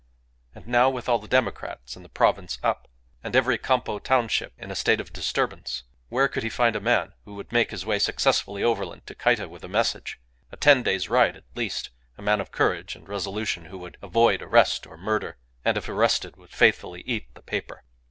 And now, with all the democrats in the province up, and every Campo township in a state of disturbance, where could he find a man who would make his way successfully overland to Cayta with a message, a ten days' ride at least; a man of courage and resolution, who would avoid arrest or murder, and if arrested would faithfully eat the paper?